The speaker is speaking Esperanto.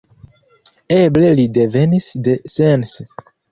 Eble li devenis de Sens.